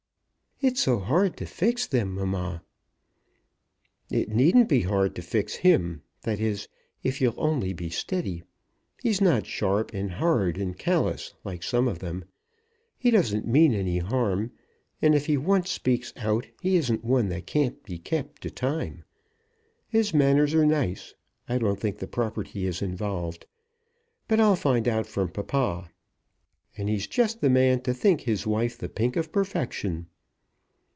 "It's so hard to fix them, mamma." "It needn't be hard to fix him, that is, if you'll only be steady. He's not sharp and hard and callous, like some of them. He doesn't mean any harm, and if he once speaks out, he isn't one that can't be kept to time. His manners are nice. I don't think the property is involved; but I'll find out from papa; and he's just the man to think his wife the pink of perfection."